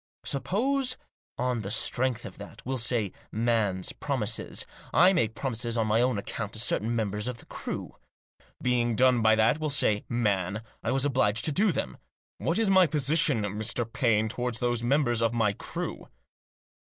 Suppose on the strength of that, we'll say, man's promises, I make promises on my own account to certain members of the crew. Being done by that, we'll say, man, I was obliged to do them. What is my position, Mr. Paine, toward those members of the crew